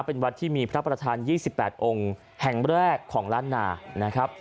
เป็นวัดที่มีพระประธาน๒๘องค์แห่งแรกของล้านนานะครับ